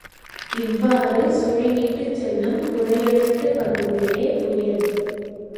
இவ்வாறு சுழியிட்டுச் செல்லும் குறையழுத்தப் பகுதியே புயல்.